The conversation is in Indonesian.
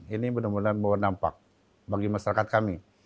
ini benar benar membawa dampak bagi masyarakat kami